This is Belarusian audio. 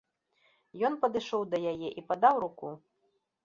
Ён падышоў да яе і падаў руку.